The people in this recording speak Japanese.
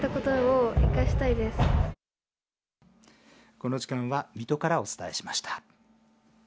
この時間は水戸からお伝えしました。